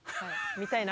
見たいな。